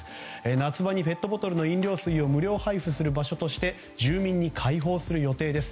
夏場にペットボトルの飲料水を無料で配布する場所として住民に開放する予定です。